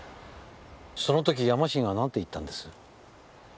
その時ヤマシンはなんて言ったんです？